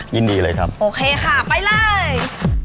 ยินดีเลยครับโอเคค่ะไปเลย